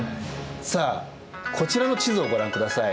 さあこちらの地図をご覧ください。